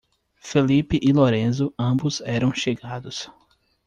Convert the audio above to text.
Felipe e Lorenzo, ambos eram chegados.